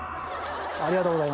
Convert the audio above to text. ありがとうございます。